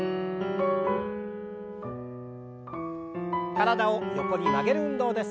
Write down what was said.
体を横に曲げる運動です。